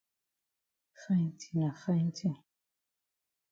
Fine tin na fine tin.